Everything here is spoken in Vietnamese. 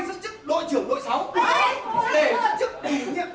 thôi giữ chức tổ trưởng tổ nệ mộc để giữ chức chủ nhiệm trung tâm xây dựng và kiến thiết cơ bản